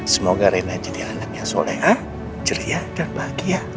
semoga rena jadi anaknya soleh ceria dan bahagia